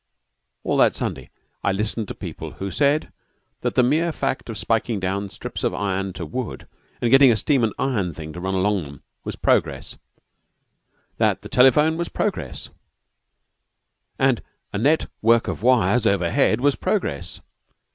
All that Sunday I listened to people who said that the mere fact of spiking down strips of iron to wood, and getting a steam and iron thing to run along them was progress, that the telephone was progress, and the net work of wires overhead was progress.